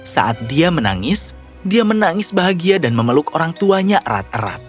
saat dia menangis dia menangis bahagia dan memeluk orang tuanya erat erat